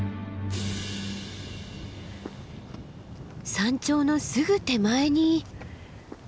山頂のすぐ手前に。